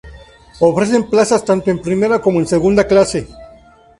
Ofrecen plazas tanto en primera como en segunda clase.